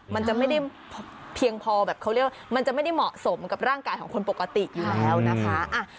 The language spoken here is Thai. มันจะไม่ได้เพียงพอแบบเขาเรียกว่ามันจะไม่ได้เหมาะสมกับร่างกายของคนปกติอยู่แล้วนะคะ